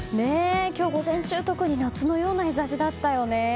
今日午前中夏のような日差しだったよね。